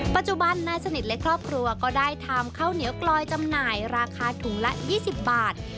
ปัจจุบันนายสนิทและครอบครัวก็ได้ทำข้าวเหนียวกลอยจำหน่ายราคาถุงละ๒๐บาท